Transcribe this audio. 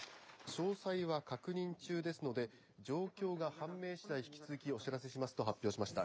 詳細は確認中ですので状況が判明しだい引き続きお知らせしますと発表しました。